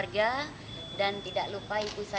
jadi saya bisa jadi orang yang bermanfaat